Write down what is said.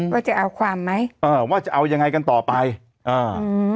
ว่าจะเอาความไหมเออว่าจะเอายังไงกันต่อไปอ่าอืม